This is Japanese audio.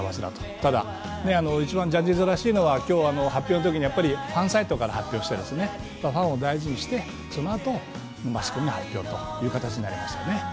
ただ一番ジャニーズらしいのは今日、発表のときにファンサイトから発表してファンを大事にしてそのあとマスコミに発表ということになりましたね。